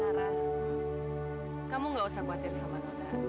tara kamu gak usah khawatir sama winona